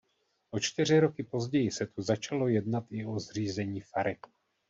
O čtyři roky později se tu začalo jednat i o zřízení fary.